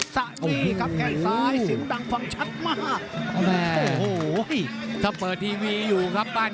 สะดีครับแก่งซ้าย